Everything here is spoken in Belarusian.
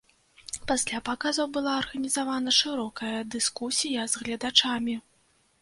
Пасля паказаў была арганізавана шырокая дыскусія з гледачамі.